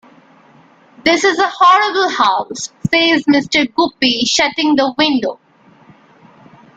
"This is a horrible house," says Mr. Guppy, shutting the window.